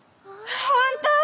本当⁉